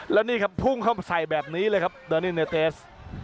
แล้วนี่ครับพุ่งเข้ามาใส่แบบนี้เลยครับเดอร์นี่เนเตส